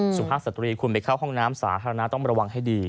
สุภาพสตรีคุณไปเข้าห้องน้ำสาธารณะต้องระวังให้ดี